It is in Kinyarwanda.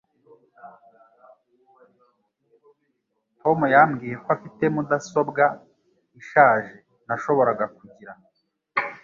Tom yambwiye ko afite mudasobwa ishaje nashoboraga kugira.